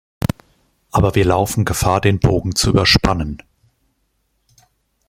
Aber wir laufen Gefahr, den Bogen zu überspannen.